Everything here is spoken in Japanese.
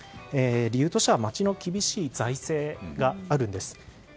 理由としては町の厳しい財政があるんです。